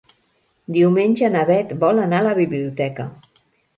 Diumenge na Beth vol anar a la biblioteca.